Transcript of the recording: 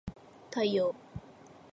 太陽